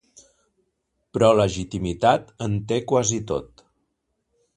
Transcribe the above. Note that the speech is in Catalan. Però legitimitat en té quasi tot.